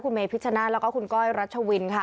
เมพิชชนะแล้วก็คุณก้อยรัชวินค่ะ